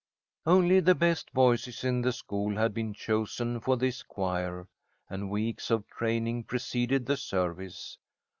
Only the best voices in the school had been chosen for this choir, and weeks of training preceded the service.